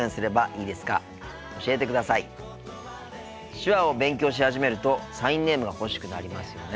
手話を勉強し始めるとサインネームが欲しくなりますよね。